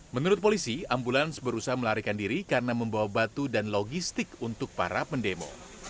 menurut polisi ambulans berusaha melarikan diri karena membawa batu dan logistik untuk para pendemo